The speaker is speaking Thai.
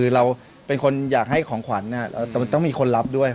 คือเราเป็นคนอยากให้ของขวัญแต่มันต้องมีคนรับด้วย